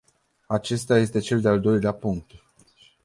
Acesta este cel de-al doilea punct.